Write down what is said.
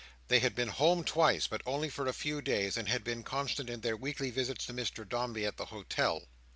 They had been home twice, but only for a few days; and had been constant in their weekly visits to Mr Dombey at the hotel.